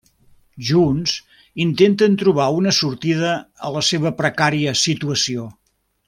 Junts, intenten trobar una sortida a la seva precària situació.